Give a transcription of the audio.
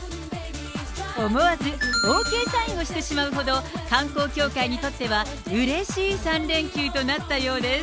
思わずＯＫサインをしてしまうほど、観光協会にとってはうれしい３連休となったようです。